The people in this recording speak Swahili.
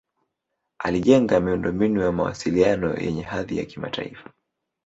alijenga miundo mbinu ya mawasiliano yenye hadhi ya kimataifa